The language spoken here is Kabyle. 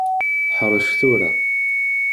Ḥrec tura.